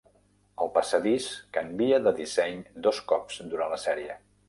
El passadís canvia de disseny dos cops durant la sèrie.